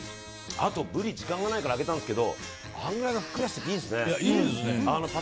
ブリは時間がないからあげたんですがあれくらいがふっくらしていいですね。